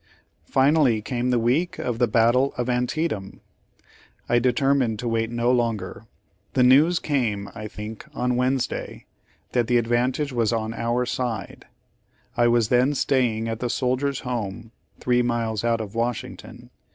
Finally, came the week of the battle of Antietam. I determined to wait no longer. The news came, I think, on Wednesday, that the advantage was on our side, I was then staying at the Soldiers' Home (three miles out of Washington).